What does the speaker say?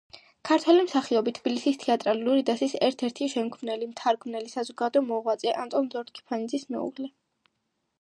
ქართველი მსახიობი, თბილისის თეატრალური დასის ერთ-ერთი შემქმნელი, მთარგმნელი, საზოგადო მოღვაწე, ანტონ ლორთქიფანიძის მეუღლე.